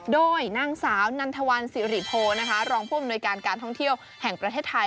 โดยนางสาวนันทวันสิริโพนะคะรองผู้อำนวยการการท่องเที่ยวแห่งประเทศไทย